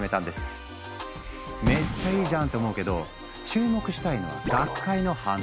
めっちゃいいじゃん！って思うけど注目したいのは学会の反応。